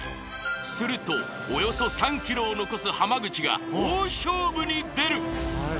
するとおよそ３ｋｍを残す濱口が大勝負に出る！